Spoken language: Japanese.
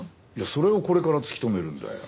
それをこれから突き止めるんだよ。